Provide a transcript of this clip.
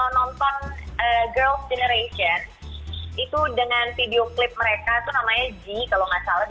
nonton girls generation itu dengan video klip mereka itu namanya g kalau nggak salah dua ribu sembilan